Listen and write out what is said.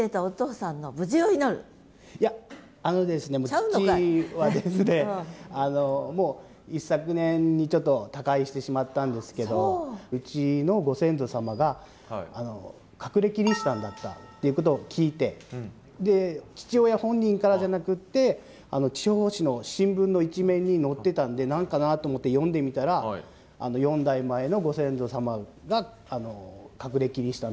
父はですねもう一昨年にちょっと他界してしまったんですけどうちのご先祖様が隠れキリシタンだったっていうことを聞いて父親本人からじゃなくって地方紙の新聞の一面に載ってたんで「何かな？」と思って読んでみたら４代前のご先祖様が隠れキリシタンだったって書いてあって。